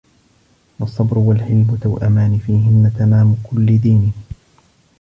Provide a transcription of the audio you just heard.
وَالصَّبْرُ وَالْحِلْمُ تَوْأَمَانِ فِيهِنَّ تَمَامُ كُلِّ دِينٍ